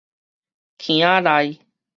坑仔內